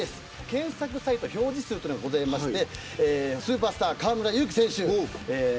検索サイト表示数がありましてスーパースター、河村勇輝選手。